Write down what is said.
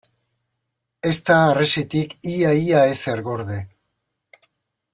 Ez da harresitik ia-ia ezer gorde.